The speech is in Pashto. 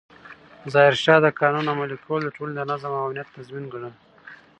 ظاهرشاه د قانون عملي کول د ټولنې د نظم او امنیت تضمین ګڼل.